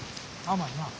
甘いなあ。